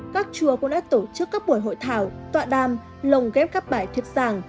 các chùa cũng đã tổ chức các buổi hội thảo tọa đàm lồng ghép các bài thiết giảng